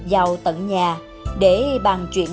giàu tận nhà để bàn chuyển